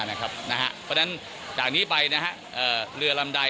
เพราะฉะนั้นจากนี้ไปเรือลำใด